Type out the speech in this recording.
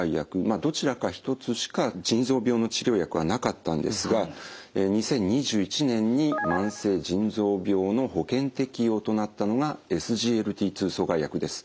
どちらか一つしか腎臓病の治療薬はなかったんですが２０２１年に慢性腎臓病の保険適用となったのがＳＧＬＴ２阻害薬です。